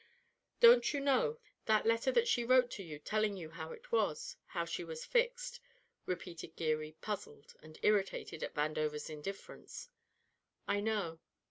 "Don't you know, that letter that she wrote to you telling you how it was, how she was fixed?" repeated Geary, puzzled and irritated at Vandover's indifference. "I know."